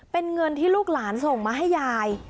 เป็นเงินที่ลูกหลานส่งมาให้ยาย